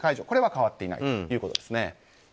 これは変わっていないということです。